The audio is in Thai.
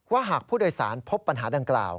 หากผู้โดยสารพบปัญหาดังกล่าว